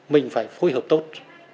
mình phải phối hợp tốt